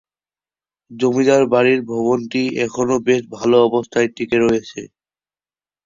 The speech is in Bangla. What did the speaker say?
জমিদার বাড়ির ভবনটি এখনো বেশ ভালো অবস্থায় টিকে রয়েছে।